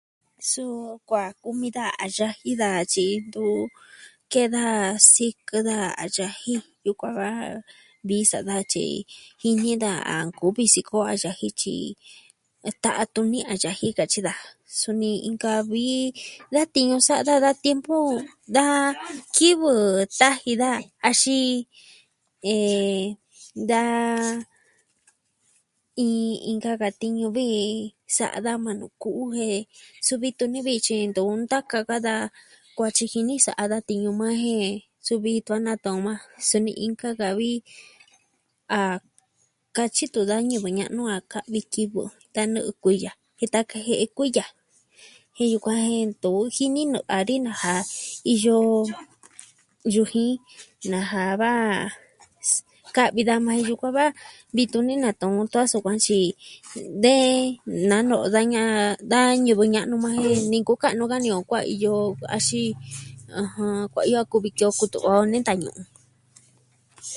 Suu kua kumi daja a yaji daja tyi ntu ke'en da sikɨ daja a yaji. Yukuan va vii sa daja tyi jini daja a nkuvi sikɨ o a yaji tyi a ta'an tuni a yaji katyi daja, suni inka vi da tiñu sa'a daja da tiempu da kivɨ taji daja axin... da... iin inka ka tiñu viji sa'a daja majan nu ku'u jen su vii tuni viji tyi ntu ntaka ka da kuatyi jini sa'a da tiñu yukuan jen, su vii tun a natɨɨn o majan suni inka ka vi a... katyi tun da ñivɨ ña'nu a ka'vi kivɨ tan nɨ'ɨ kuiya jen tan kajie'e kuiya. Jen yukuan jen ntu jini nɨ'ɨ dani nasa, iyo... yujin, nasa va... ka'vi daja majan jen yukuan va, vii tuni natɨɨn on tun a sukuan tyi de... naa no'o da ña'an... da ñivɨ ña'nu yukuan jen, ni nkuka'nu ka ini on kuaiyo, axin, ɨjɨn... kuaiyo a kuvi ki o kutu'va o ne vitan ñu'un.